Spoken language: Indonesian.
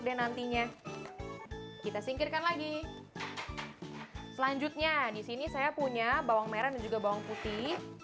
deh nantinya kita singkirkan lagi selanjutnya disini saya punya bawang merah dan juga bawang putih